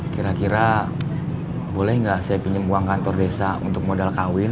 kira kira boleh nggak saya pinjam uang kantor desa untuk modal kawin